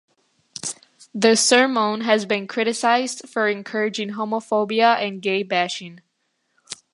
The sermon has been criticized for encouraging homophobia and gay bashing.